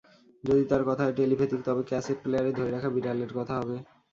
যদি তার কথা হয় টেলিপ্যাথিক, তবে ক্যাসেট প্লেয়ারে ধরে রাখা বিড়ালের কথা হবে।